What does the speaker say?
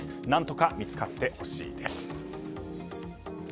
何とか見つかってほしいです。